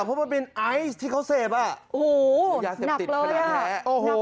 เพราะมันเป็นไอซ์ที่เขาเสพอ่ะโอ้โหยาเสพติดขนาดแท้โอ้โห